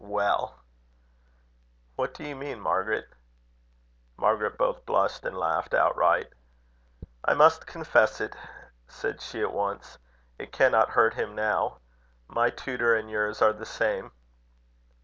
Well! "What do you mean, Margaret?" Margaret both blushed and laughed outright. "I must confess it," said she, at once; "it cannot hurt him now: my tutor and yours are the same."